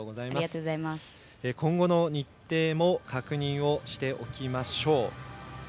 今後の日程も確認しておきましょう。